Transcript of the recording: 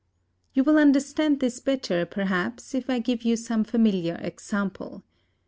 You will understand this better, perhaps, if I give you some familiar example.